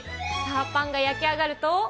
パンが焼き上がると。